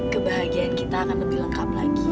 kebahagiaan kita akan lebih lengkap lagi